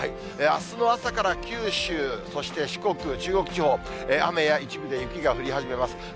あすの朝から九州、そして四国、中国地方、雨や一部で雪が降り始めます。